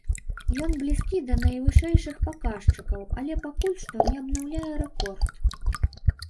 Ён блізкі да найвышэйшых паказчыкаў, але пакуль што не абнаўляе рэкорд.